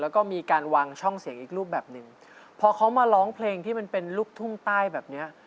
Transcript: แล้วก็มีการวางช่องเสียงอีกรูปแบบหนึ่งพอเขามาร้องเพลงที่มันเป็นลูกทุ่งใต้แบบเนี้ย